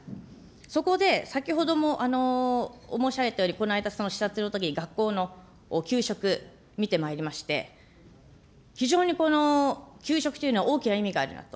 そこで、先ほども申し上げたように、この間の視察のときに学校の給食、見てまいりまして、非常に給食というのは大きな意味があるなと。